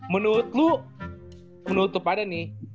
menurut lu menurut tupada nih